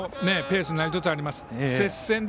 近江のペースになりつつあります。